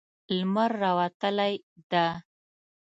لمر راوتلی ده